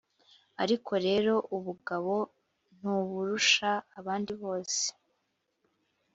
ariko rero ubugabo ntuburusha abandi bose.